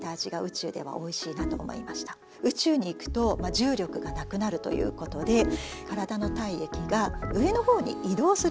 宇宙に行くと重力がなくなるということで体の体液が上のほうに移動するんですよね。